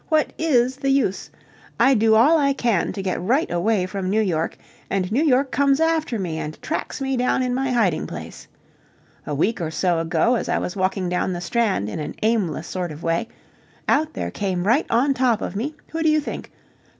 What is the use? I do all I can to get right away from New York, and New York comes after me and tracks me down in my hiding place. A week or so ago, as I was walking down the Strand in an aimless sort of way, out there came right on top of me who do you think?